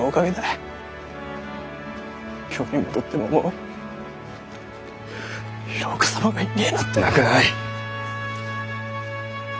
京に戻ってももう平岡様がいねぇなんて。泣くない。